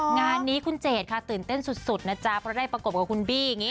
งานนี้คุณเจดค่ะตื่นเต้นสุดนะจ๊ะเพราะได้ประกบกับคุณบี้อย่างนี้